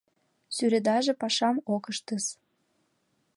Сӱредаже пашам ок ыштыс!